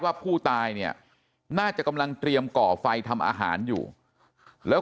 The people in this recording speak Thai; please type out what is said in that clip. ว่าผู้ตายเนี่ยน่าจะกำลังเตรียมก่อไฟทำอาหารอยู่แล้ว